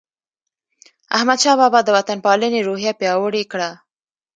احمدشاه بابا د وطن پالنې روحیه پیاوړې کړه.